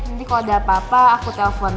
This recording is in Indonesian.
nanti kalau ada apa apa aku telpon